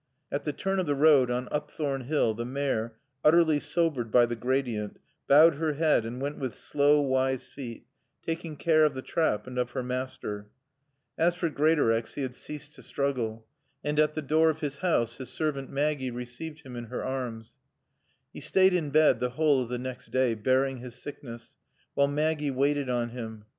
At the turn of the road, On Upthorne hill, the mare, utterly sobered by the gradient, bowed her head and went with slow, wise feet, taking care of the trap and of her master. As for Greatorex, he had ceased to struggle. And at the door of his house his servant Maggie received him in her arms. He stayed in bed the whole of the next day, bearing his sickness, while Maggie waited on him.